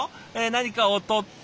何かを取って？